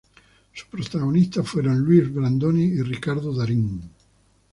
Sus protagonistas fueron Luis Brandoni y Ricardo Darín.